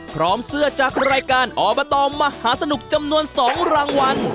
พร้อมเสื้อจากรายการอบตมหาสนุกจำนวน๒รางวัล